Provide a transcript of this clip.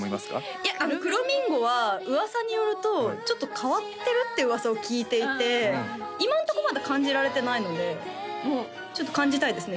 いやくろみんごは噂によるとちょっと変わってるって噂を聞いていて今のとこまだ感じられてないのでちょっと感じたいですね